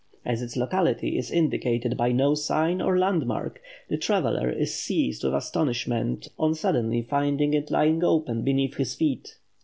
As its locality is indicated by no sign or landmark, the traveller is seized with astonishment on suddenly finding it lying open beneath his feet.